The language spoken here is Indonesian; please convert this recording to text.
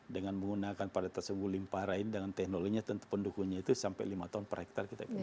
dengan menggunakan paritas yang gulimpara ini dengan teknologinya tentu pendukungnya itu sampai lima ton per hektare